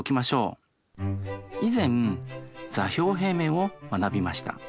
以前座標平面を学びました。